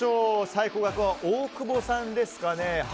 最高額は大久保さんですかね。